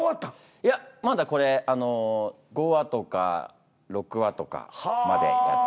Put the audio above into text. いやまだこれ５話とか６話とかまでやって。